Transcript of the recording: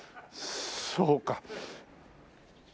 そうか。